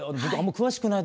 詳しくない？